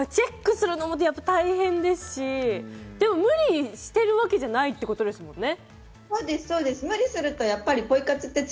チェックするのも大変ですし、でも無理してるわけではないですよね？